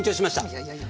いやいやいや。